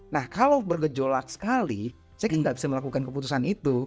nah kalau bergejolak sekali saya nggak bisa melakukan keputusan itu